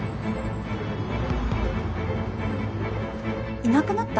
いなくなった？